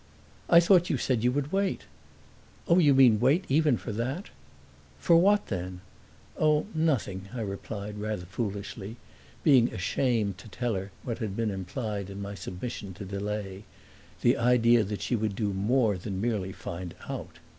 "I thought you said you would wait." "Oh, you mean wait even for that?" "For what then?" "Oh, nothing," I replied, rather foolishly, being ashamed to tell her what had been implied in my submission to delay the idea that she would do more than merely find out.